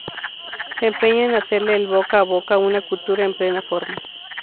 se empeña en hacerle el boca a boca a una cultura en plena forma